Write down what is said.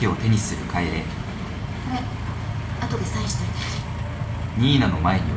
これ後でサインしといて。